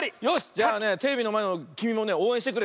じゃあねテレビのまえのきみもねおうえんしてくれ。